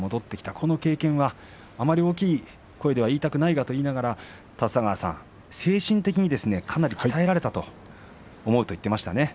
この経験はあまり大きい声では言いたくないなと言いながら立田川さん、精神的にかなり鍛えられたと思うと言っていましたね。